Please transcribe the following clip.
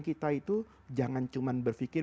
kita itu jangan cuma berpikir